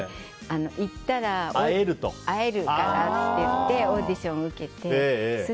行ったら会えるかなって思ってオーディションを受けてそ